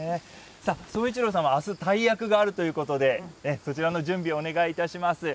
奏一朗さんはあす大役があるということで、そちらの準備、お願いいたします。